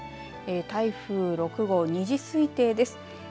台風６号２時推定です。